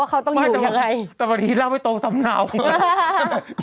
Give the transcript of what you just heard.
ว่าเขาต้องอยู่อย่างไรแต่วันนี้ไล่ไม่โตซัมเนาคุณแหละฮ่า